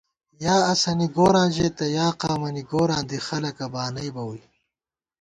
یا اسَنی گوراں ژېتہ یا قامَنی گوراں دی خلَکہ بانَئیبہ ووئی